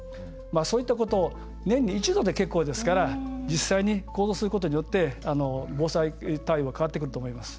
そういったことを年に一度で結構ですから実際に行動することによって防災対応変わってくると思います。